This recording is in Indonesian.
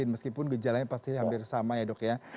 meskipun gejalanya pasti hampir sama ya dok ya